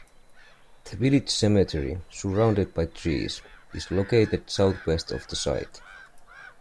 The village cemetery, surrounded by trees, is located southwest of the site.